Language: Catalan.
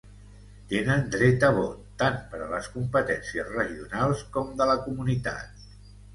Tenen dret a vot, tant per a les competències regionals com de la comunitat.